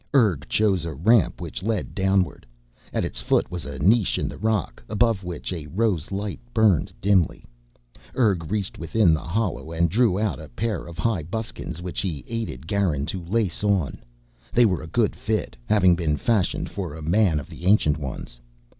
Urg chose a ramp which led downward. At its foot was a niche in the rock, above which a rose light burned dimly. Urg reached within the hollow and drew out a pair of high buskins which he aided Garin to lace on. They were a good fit, having been fashioned for a man of the Ancient Ones.